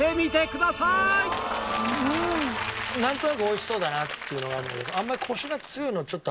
なんとなく美味しそうだなっていうのはあるけど。